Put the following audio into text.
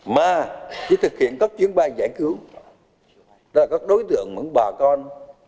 mà chỉ thực hiện các chuyến bay giải cứu đó là các đối tượng mấy bà con